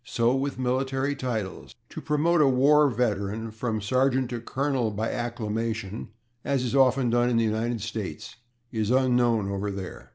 So with military titles. To promote a war veteran from sergeant to colonel by acclamation, as is often done in the United States, is unknown over there.